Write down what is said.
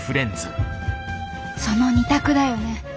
その２択だよね